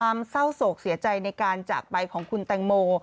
ความเศร้าโศกเสียใจในการจากไปของคุณแตงโม